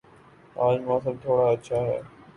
آج موسم تھوڑا اچھا ہے